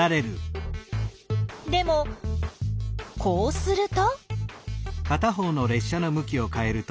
でもこうすると？